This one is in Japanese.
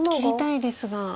切りたいですが。